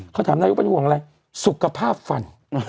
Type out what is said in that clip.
เขาถามนายกเป็นห่วงอะไรสุขภาพฟัน